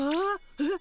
えっ？